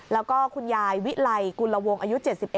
แล้วก็คุณยายวิไลกุลวงอายุ๗๑